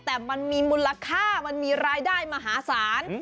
แต่มันมีมูลค่ามันมีรายได้มหาศาล